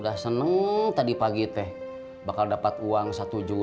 bang keempat susah irrational